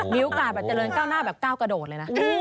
มีโอกาสแบบเจริญก้าวหน้าแบบก้าวกระโดดเลยนะ